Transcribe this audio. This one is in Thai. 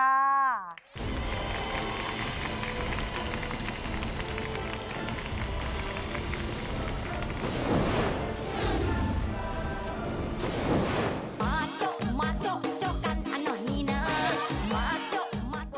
มาเจ้อมาเจ้อเจ้อกันเถ้าหน่อยนี่นะมาเจ้อมาเจ้อ